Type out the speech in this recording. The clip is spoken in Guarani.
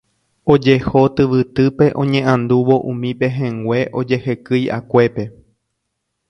ojeho tyvytýpe oñe'andúvo umi pehẽngue ojehekyi'akuépe.